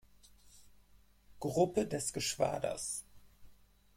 Gruppe des Geschwaders.